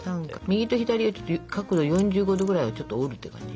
右と左を角度４５度ぐらいをちょっと折るって感じ。